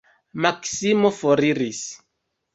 Maksimo foriris.